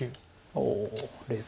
おお冷静。